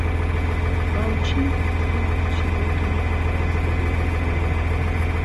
راوچیی خراپ چیرۆکی بەهۆز دەگێڕێتەوە